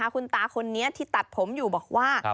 คุณตาคนนี้ที่ตัดผมอยู่บอกว่า